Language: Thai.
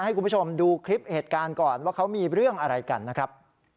ให้คุณผู้ชมดูคลิปเหตุการณ์ก่อนว่าเขามีเรื่องอะไรกันนะครับ